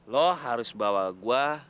lu harus bawa gue